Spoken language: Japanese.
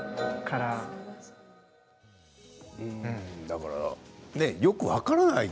だから、よく分からない。